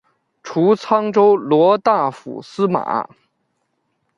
除沧州骠大府司马。